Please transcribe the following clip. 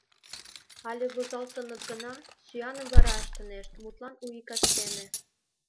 Але возалтыныт гына, сӱаным вара ыштынешт, мутлан, У ий кастене.